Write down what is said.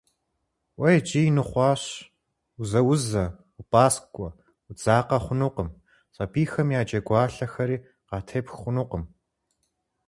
Уэ иджы ин ухъуащ, узаузэ, упӏаскӏуэ, удзакъэ хъунукъым, сабийхэм я джэгуалъэхэри къатепх хъунукъым.